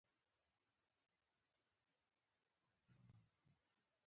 په هفتو کي یې آرام نه وو لیدلی